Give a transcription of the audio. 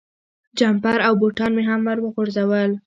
جمپر او بوټان مې هم ور وغورځول.